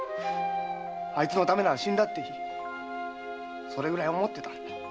〔あいつのためなら死んだっていいそれぐらい想ってたんだよ〕